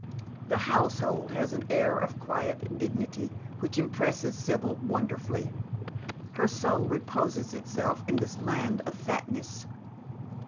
The household has an air of quiet dignity which impresses Sibyl wonderfully. Her soul reposes itself in this land of fatness.